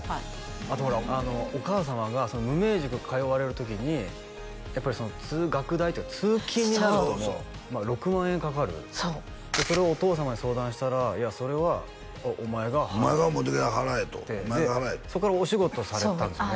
あとほらお母様が無名塾通われる時にやっぱり通学代というか通勤になるともう６万円かかるそうそれをお父様に相談したらいやそれはお前が払ってそっからお仕事されたんですよね